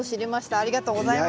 ありがとうございます。